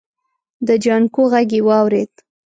د جانکو غږ يې واورېد.